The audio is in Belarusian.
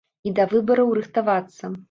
І да выбараў рыхтавацца.